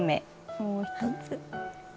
もう１つ。